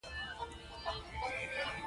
یو ډول لوېدلي او ناځوانه اعمال دود شوي دي.